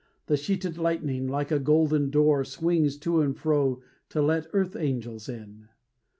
The sheeted lightning, like a golden door, Swings to and fro to let earth angels in.